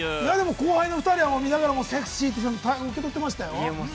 後輩の２人は見ながら「セクシー」って言ってましたよ。